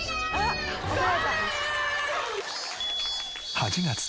８月。